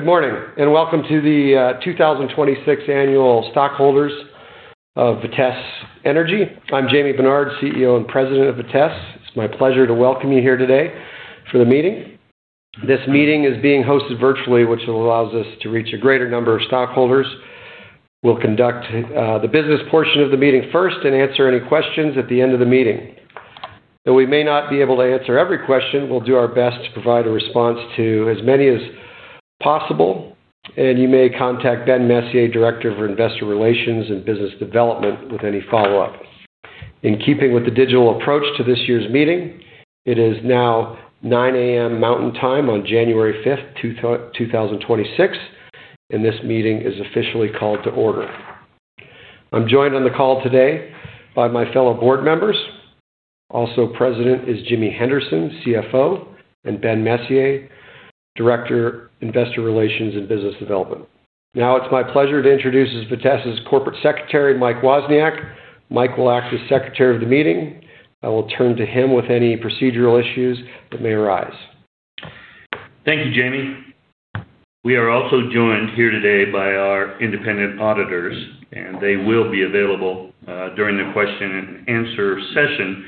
Good morning, welcome to the 2026 Annual Stockholders of Vitesse Energy. I'm Jamie Benard, CEO and President of Vitesse. It's my pleasure to welcome you here today for the meeting. This meeting is being hosted virtually, which allows us to reach a greater number of stockholders. We'll conduct the business portion of the meeting first and answer any questions at the end of the meeting. Though we may not be able to answer every question, we'll do our best to provide a response to as many as possible, and you may contact Ben Messier, Director of Investor Relations and Business Development, with any follow-up. In keeping with the digital approach to this year's meeting, it is now 9:00 A.M. Mountain Time on January 5th, 2026, and this meeting is officially called to order. I'm joined on the call today by my fellow board members. Also present is Jimmy Henderson, CFO, and Ben Messier, Director, Investor Relations and Business Development. Now it's my pleasure to introduce Vitesse's Corporate Secretary, Mike Wozniak. Mike will act as secretary of the meeting. I will turn to him with any procedural issues that may arise. Thank you, Jamie. We are also joined here today by our independent auditors, and they will be available during the question and answer session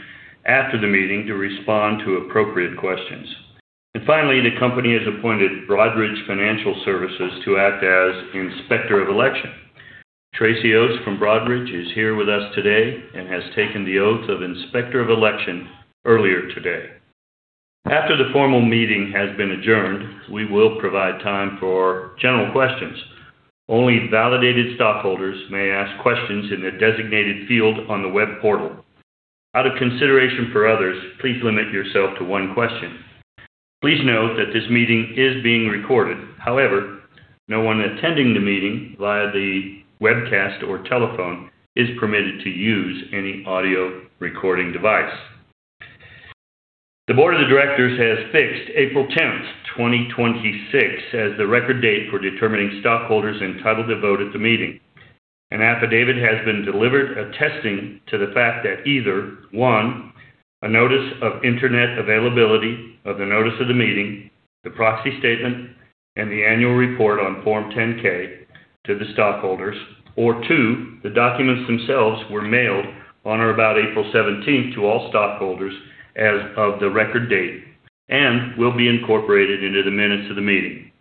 after the meeting to respond to appropriate questions. Finally, the company has appointed Broadridge Financial Solutions to act as Inspector of Election. Tracy Oates from Broadridge is here with us today and has taken the oath of Inspector of Election earlier today. After the formal meeting has been adjourned, we will provide time for general questions. Only validated stockholders may ask questions in the designated field on the web portal. Out of consideration for others, please limit yourself to one question. Please note that this meeting is being recorded. However, no one attending the meeting via the webcast or telephone is permitted to use any audio recording device. The board of directors has fixed April 10th, 2026, as the record date for determining stockholders entitled to vote at the meeting. An affidavit has been delivered attesting to the fact that either, one, a notice of internet availability of the notice of the meeting, the proxy statement, and the annual report on Form 10-K to the stockholders. Two, the documents themselves were mailed on or about April 17th to all stockholders as of the record date and will be incorporated into the minutes of the meeting.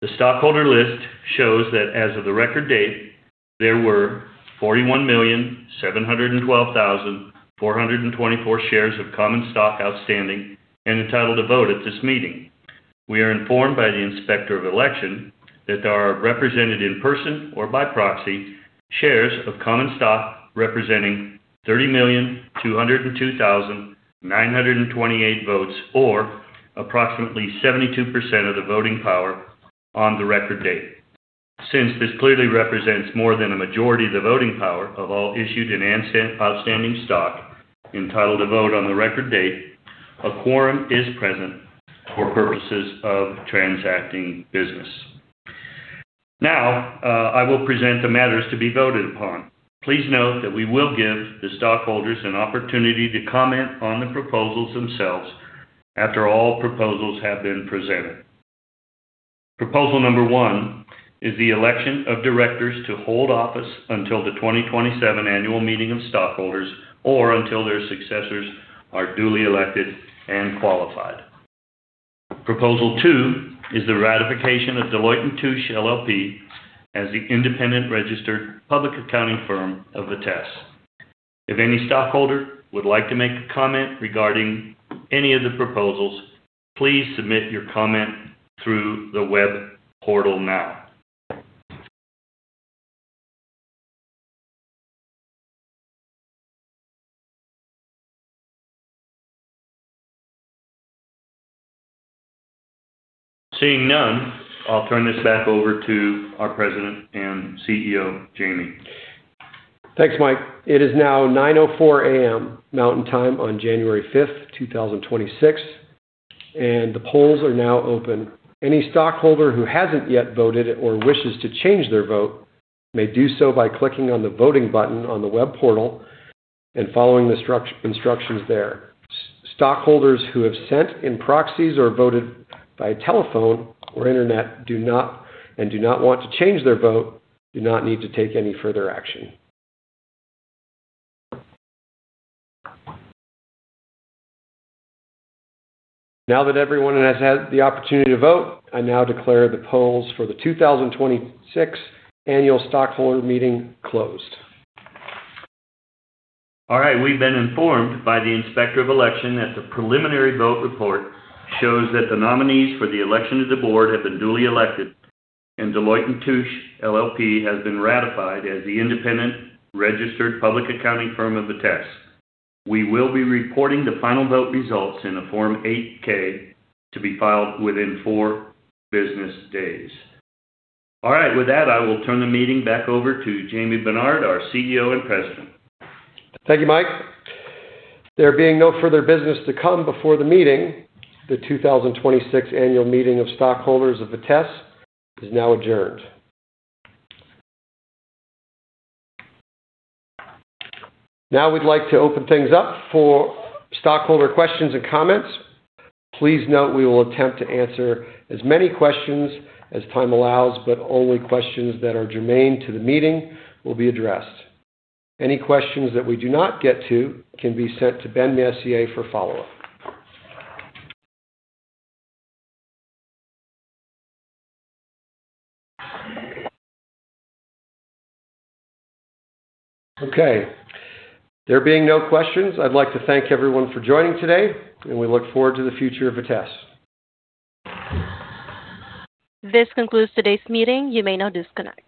The stockholder list shows that as of the record date, there were 41,712,424 shares of common stock outstanding and entitled to vote at this meeting. We are informed by the Inspector of Election that there are represented in person or by proxy shares of common stock representing 30,202,928 votes or approximately 72% of the voting power on the record date. Since this clearly represents more than a majority of the voting power of all issued and outstanding stock entitled to vote on the record date, a quorum is present for purposes of transacting business. Now, I will present the matters to be voted upon. Please note that we will give the stockholders an opportunity to comment on the proposals themselves after all proposals have been presented. Proposal number one is the election of directors to hold office until the 2027 annual meeting of stockholders or until their successors are duly elected and qualified. Proposal two is the ratification of Deloitte & Touche LLP as the independent registered public accounting firm of Vitesse. If any stockholder would like to make a comment regarding any of the proposals, please submit your comment through the web portal now. Seeing none, I'll turn this back over to our President and CEO, Jamie. Thanks, Mike. It is now 9:04 A.M. Mountain Time on January 5th, 2026, and the polls are now open. Any stockholder who hasn't yet voted or wishes to change their vote may do so by clicking on the voting button on the web portal and following the instructions there. Stockholders who have sent in proxies or voted by telephone or internet and do not want to change their vote, do not need to take any further action. Now that everyone has had the opportunity to vote, I now declare the polls for the 2026 annual stockholder meeting closed. All right. We've been informed by the Inspector of Election that the preliminary vote report shows that the nominees for the election of the board have been duly elected and Deloitte & Touche LLP has been ratified as the independent registered public accounting firm of Vitesse. We will be reporting the final vote results in a Form 8-K to be filed within four business days. All right. With that, I will turn the meeting back over to Jamie Benard, our CEO and President. Thank you, Mike. There being no further business to come before the meeting, the 2026 annual meeting of stockholders of Vitesse is now adjourned. We'd like to open things up for stockholder questions and comments. Please note we will attempt to answer as many questions as time allows, but only questions that are germane to the meeting will be addressed. Any questions that we do not get to can be sent to Ben Messier for follow-up. Okay. There being no questions, I'd like to thank everyone for joining today, and we look forward to the future of Vitesse. This concludes today's meeting. You may now disconnect.